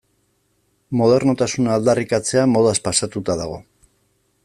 Modernotasuna aldarrikatzea modaz pasatuta dago.